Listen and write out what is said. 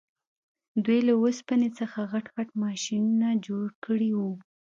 دوی له اوسپنې څخه غټ غټ ماشینونه جوړ کړي وو